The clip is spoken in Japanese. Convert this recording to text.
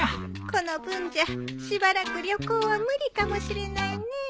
この分じゃしばらく旅行は無理かもしれないね。